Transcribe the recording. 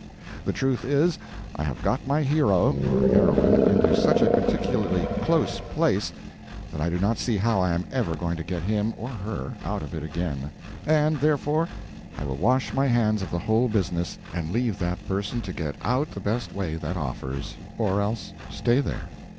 ] The truth is, I have got my hero (or heroine) into such a particularly close place, that I do not see how I am ever going to get him (or her) out of it again and therefore I will wash my hands of the whole business, and leave that person to get out the best way that offers or else stay there.